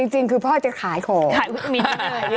จริงคือพ่อจะขายของ